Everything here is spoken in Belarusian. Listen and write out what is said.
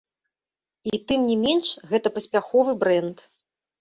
І тым не менш, гэта паспяховы брэнд.